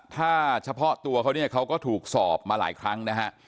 ถ้าเฉพาะตัวเขาเนี่ยเขาก็ถูกสอบมาหลายครั้งนะฮะ